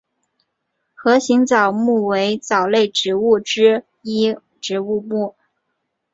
盒形藻目为藻类植物之一植物目。